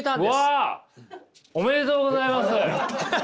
ありがとうございます。